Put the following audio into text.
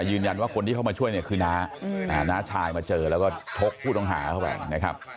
ยืนยันว่าคนที่เข้ามาช่วยเนี่ยคือน้าน้าชายมาเจอแล้วก็ชกผู้ต้องหาเข้าไปนะครับ